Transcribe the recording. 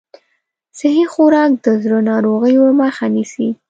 صحي خوراک د زړه د ناروغیو مخه نیسي.